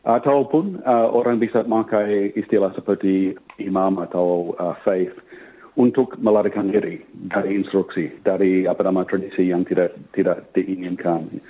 ataupun orang bisa memakai istilah seperti imam atau saif untuk melarikan diri dari instruksi dari tradisi yang tidak diinginkan